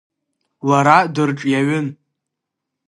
Лара дырҿиаҩын.